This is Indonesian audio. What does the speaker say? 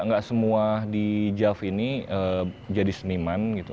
nggak semua di jav ini jadi seniman gitu